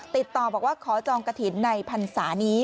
ติดต่อบอกว่าขอจองกระถิ่นในพรรษานี้